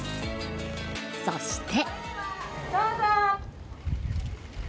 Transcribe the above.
そして。